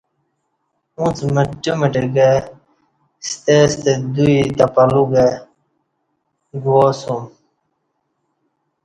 اُݩڅ مٹہ مٹہ کہ ستے ستہ دوئی تہ پلوگہ گواسوم